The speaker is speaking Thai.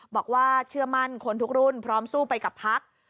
บอกว่าเชื่อมั่นคนทุกรุ่นพร้อมสู้ไปกับพัก